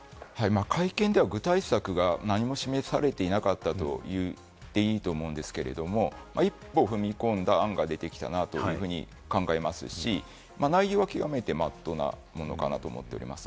会見では具体策が何も示されていなかったと言っていいと思うんですけれども、一歩踏み込んだ案が出てきたなというふうに考えますし、内容は極めてまともかなと思っています。